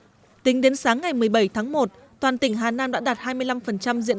và tính đến thời điểm hiện nay chất lượng nước đã đảm bảo đủ điều kiện